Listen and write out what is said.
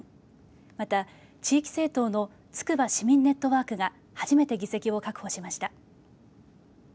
また地域政党のつくば・市民ネットワークが初めて議席を確保しました。